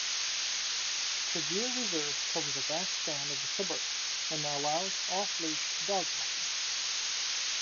Tregear Reserve covers a vast span of the suburb and allows off-leash dog-walking.